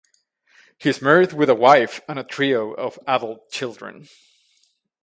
He's married with a wife and trio of adult children.